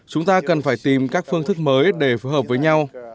chúng ta cần phải tìm các phương thức mới để phù hợp với nhau